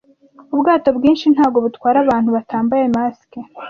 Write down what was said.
Ubwato bwinshi ntago butwara abantu batambaye masike.